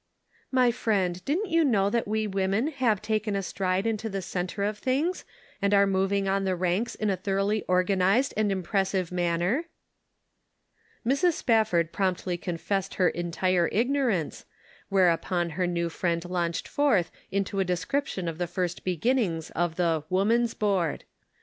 "My friend, didn't you know that we women had taken a stride into the centre of things, and are moving on the ranks in a thoroughly organized and impressive manner ?" Mrs. Spafford promptly confessed her en tire ignorance, whereupon her new friend launched forth into a description of the first beginnings of the " Woman's Board."